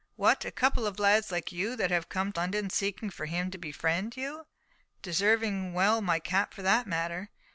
"What, a couple of lads like you, that have come to London seeking for him to befriend you—deserving well my cap for that matter.